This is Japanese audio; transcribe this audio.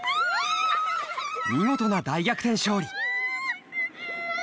見事な、大逆転勝利！